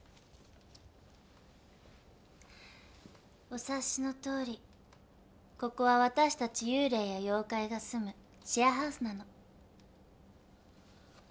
お察しのとおりここは私たち幽霊や妖怪が住むシェアハウスなの。